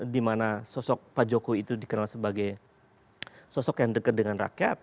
dimana sosok pak jokowi itu dikenal sebagai sosok yang dekat dengan rakyat